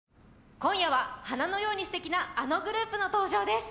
今夜は花のように素敵なあのグループの登場です